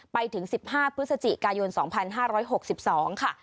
ไปถึง๑๕พฤศจิกายน๒๕๖๒ค่ะ